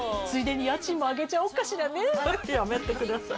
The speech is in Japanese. ついでに家賃も上げちゃおうかしらねえ。